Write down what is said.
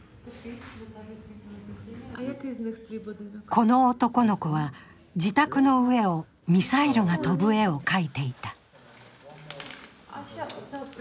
この男の子は自宅の上をミサイルが飛ぶ絵を描いていた。